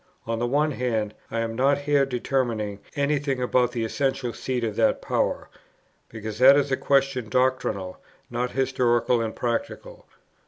on the one hand, I am not here determining any thing about the essential seat of that power, because that is a question doctrinal, not historical and practical; 2.